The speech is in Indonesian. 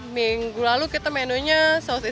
minggu lalu kita menunya saus islam